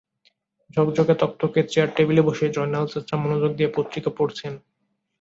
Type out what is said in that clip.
ঝকঝকে তকতকে চেয়ার টেবিলে বসে জয়নাল চাচা মনোযোগ দিয়ে পত্রিকা পড়ছেন।